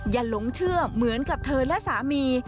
หลงเชื่อเหมือนกับเธอและสามี